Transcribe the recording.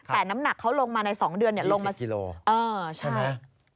แต่น้ำหนักเขาลงมาใน๒เดือนลงมากิโลใช่ไหม